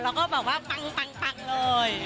แล้วก็แบบว่าปังเลย